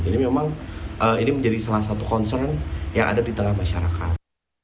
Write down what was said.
jadi memang ini menjadi salah satu concern yang ada di tengah masyarakat